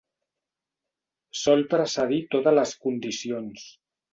Sol precedir totes les condicions.